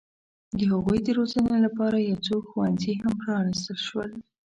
د هغوی د روزنې لپاره یو څو ښوونځي هم پرانستل شول.